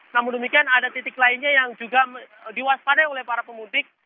namun demikian ada titik lainnya yang juga diwaspadai oleh para pemudik